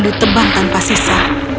ditebang tanpa sisa